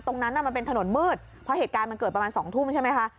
มันเป็นถนนมืดเพราะเหตุการณ์มันเกิดประมาณ๒ทุ่มใช่ไหมคะ